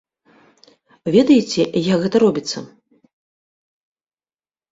Ведаеце, як гэта робіцца?